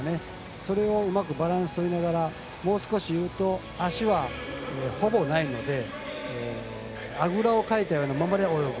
それをうまくバランスとりながらもう少し言うと足は、ほぼないのであぐらをかいたままで泳ぐ。